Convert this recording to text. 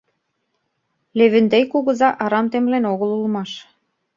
Левентей кугыза арам темлен огыл улмаш.